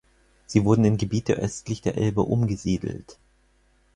Sie wurden in Gebiete nördlich der Elbe umgesiedelt.